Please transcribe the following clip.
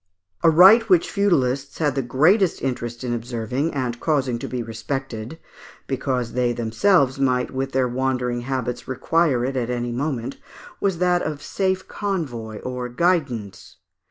A right which feudalists had the greatest interest in observing, and causing to be respected, because they themselves might with their wandering habits require it at any moment, was that of safe convoy, or guidance.